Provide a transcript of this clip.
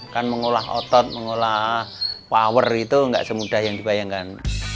kan mengolah otot mengolah power itu nggak semudah yang dibayangkan